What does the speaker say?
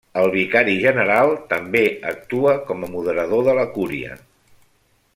El vicari general, també actua com a moderador de la cúria.